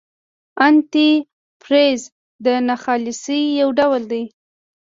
انتي فریز د ناخالصۍ یو ډول دی.